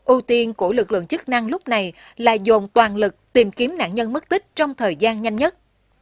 ưu tiên của lực lượng chức năng lúc này là dồn toàn lực tìm kiếm nạn nhân mất tích trong thời gian nhanh nhất